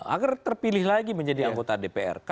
agar terpilih lagi menjadi anggota dpr